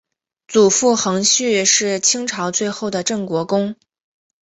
祖父恒煦是清朝最后的镇国公。